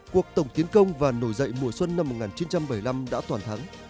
cuộc tổng tiến công và nổi dậy mùa xuân năm một nghìn chín trăm bảy mươi năm đã toàn thắng